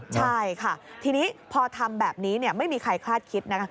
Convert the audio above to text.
ใช่ค่ะทีนี้พอทำแบบนี้ไม่มีใครคาดคิดนะคะ